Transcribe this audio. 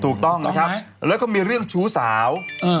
ถูกต้องแล้วก็มีเรื่องชูสาว